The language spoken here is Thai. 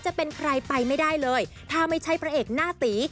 จะเป็นใครไปไม่ได้เลยถ้าไม่ใช่พระเอกหน้าตี